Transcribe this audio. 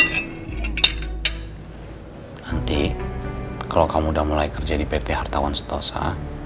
nanti kalau kamu sudah mulai kerja di pt hartawan sentosa